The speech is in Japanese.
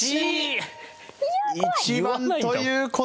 １番という答え。